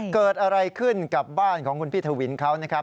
เกิดอะไรขึ้นกับบ้านของคุณพี่ทวินเขานะครับ